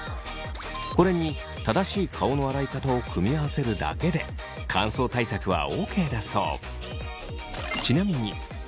これに正しい顔の洗い方を組み合わせるだけで乾燥対策はＯＫだそう。